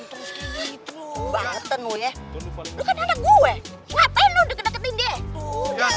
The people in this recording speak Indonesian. ngapain lo udah kedeketin dia